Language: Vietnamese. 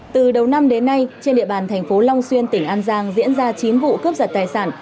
từ đầu năm đến nay trên địa bàn thành phố long xuyên tỉnh an giang diễn ra chín vụ cướp giật tài sản